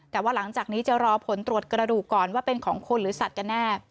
แต่ว่าหลังจากนี้จะรอผลตรวจกระดูกก่อนว่าเป็นของคนหรือสัตว์กันแน่